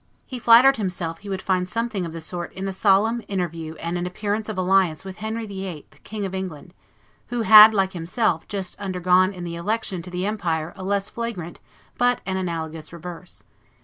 He flattered himself he would find something of the sort in a solemn interview and an appearance of alliance with Henry VIII., King of England, who had, like himself, just undergone in the election to the empire a less flagrant but an analogous reverse.